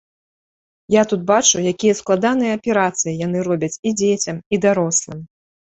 Я тут бачу, якія складаныя аперацыі яны робяць і дзецям, і дарослым.